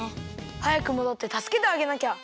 はやくもどってたすけてあげなきゃ！